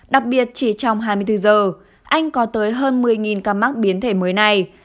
đặc biệt chỉ trong hai mươi bốn giờ anh có tới hơn một mươi ca mắc biến thể mới này